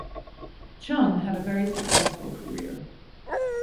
Chung had a very successful career.